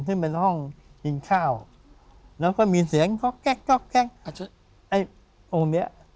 ซึ่งเป็นห้องกินข้าวแล้วก็มีเสียงก๊อกแก๊กก๊อกแก๊กอาจจะไอ้องค์เนี้ย